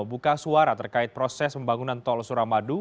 buka suara terkait proses pembangunan tol suramadu